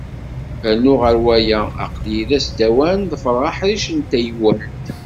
Rnu ɣer waya, aql-iyi d asdawan, ḍefreɣ aḥric n taywalt.